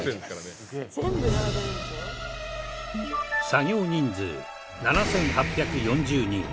作業人数７８４０人